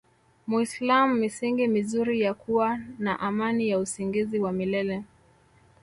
muislam misingi mizuri ya kua na amani ya usingizi wa milele